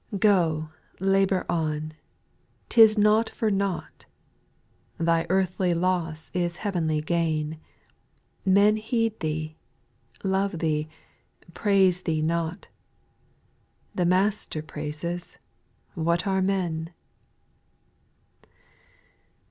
2. Go, labour on ; 't is not for nought ; Thy earthly loss is heavenly gain ; Men heed thee, love thee, praise thee not ; The Master praises ;— what arc men